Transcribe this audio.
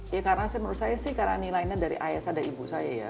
ya karena menurut saya sih karena nilainya dari ayah saya dan ibu saya ya